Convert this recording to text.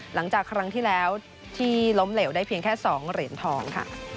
หลังจากครั้งที่แล้วที่ล้มเหลวได้เพียงแค่๒เหรียญทองค่ะ